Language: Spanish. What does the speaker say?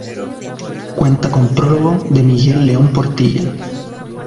Cuenta con prólogo de Miguel León-Portilla.